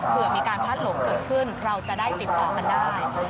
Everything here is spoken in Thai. เพื่อมีการพัดหลงเกิดขึ้นเราจะได้ติดต่อกันได้